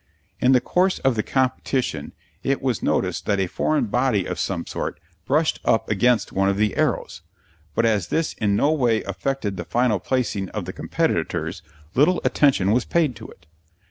In the course of the competition it was noticed that a foreign body of some sort brushed up against one of the arrows, but as this in no way affected the final placing of the competitors, little attention was paid to it.